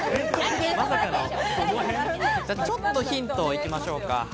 ちょっとヒント行きましょうか。